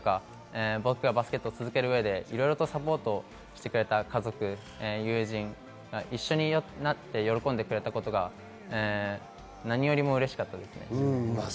僕がバスケットを続ける上でサポートしてくれた家族、友人、一緒になって喜んでくれたことが何よりも嬉しかったです。